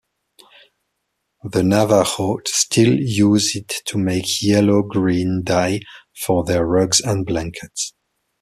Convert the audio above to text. The Navajo still use it to make yellow-green dye for their rugs and blankets.